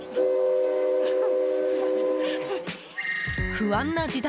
不安な時代。